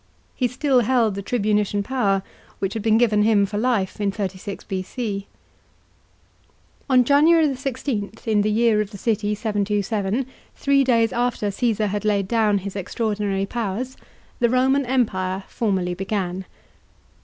He still held the tribunician power which had been given him for life in 36 B.C. On January 16, in the year of the city 727, three days after Caasar had laid down his extraordinary powers, the Roman Empire formally began.